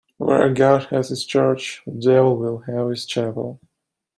Where God has his church, the devil will have his chapel.